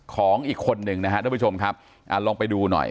ของอีกคนนึงนะครับทุกผู้ชมครับอ่าลองไปดูหน่อย